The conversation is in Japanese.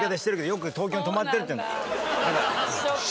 よく東京に泊まってるっていうの。